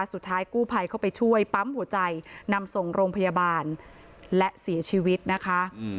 สุดท้ายกู้ภัยเข้าไปช่วยปั๊มหัวใจนำส่งโรงพยาบาลและเสียชีวิตนะคะ